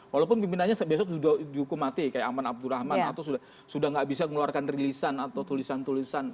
walaupun pimpinannya besok sudah dihukum mati kayak aman abdurrahman atau sudah tidak bisa mengeluarkan rilisan atau tulisan tulisan